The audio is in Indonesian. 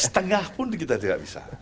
setengah pun kita tidak bisa